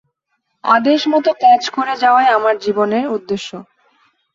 আদেশমত কাজ করে যাওয়াই আমার জীবনের উদ্দেশ্য।